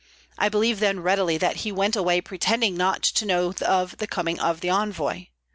I believe then readily that he went away pretending not to know of the coming of the envoy.